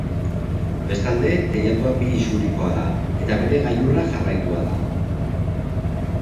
Bestalde, teilatua bi isurkikoa da, eta bere gailurra jarraitua da.